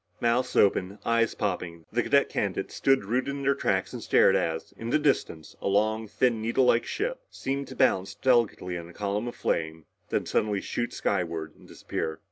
Mouths open, eyes popping, the cadet candidates stood rooted in their tracks and stared as, in the distance, a long, thin, needlelike ship seemed to balance delicately on a column of flame, then suddenly shoot skyward and disappear.